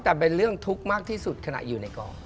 แต่เป็นเรื่องทุกข์มากที่สุดขณะอยู่ในกอง